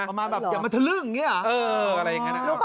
ประมาณแบบอย่ามาทะลึ่งอย่างเงี้ยเออเอออะไรอย่างเงี้ยน่ะ